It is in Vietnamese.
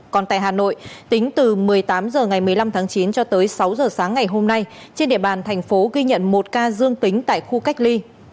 còn tại hà nội tính từ một mươi tám h ngày một mươi năm tháng chín cho tới sáu h sáng ngày hôm nay trên địa bàn thành phố ghi nhận một ca dương tính tại khu cách ly